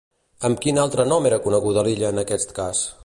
Amb quin altre nom era coneguda l'illa en aquest cas?